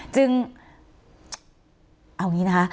จึงเอางี้นะครับ